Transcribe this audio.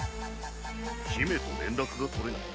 姫と連絡が取れない？